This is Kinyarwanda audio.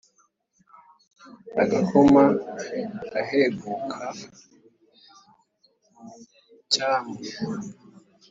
igakoma aheguka mu micyamu,